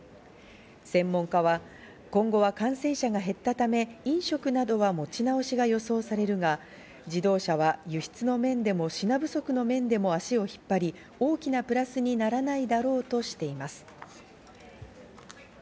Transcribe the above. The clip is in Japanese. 専門家は今後は感染者が減ったため、飲食等は持ち直しが予想されるが、自動車は輸出の面でも品不足の面でも足を引っ張り、大きなプラスにならないだろうとしています。